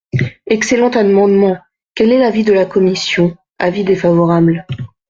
Excellent amendement ! Quel est l’avis de la commission ? Avis défavorable.